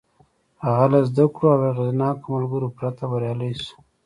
هغه له زدهکړو او اغېزناکو ملګرو پرته بريالی شو.